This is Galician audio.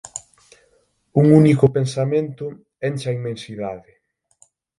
Un único pensamento enche a inmensidade.